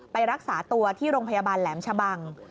ไปรักษาตัวที่โรงพยาบาลแหลมชะบัง